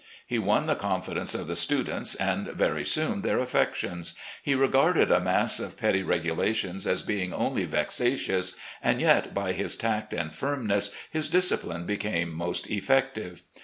He won the confidence of the students, and very soon their affections. He regarded a mass of petty regulations as being only vexatious, and yet by his tact and firmness his discipline became most effective.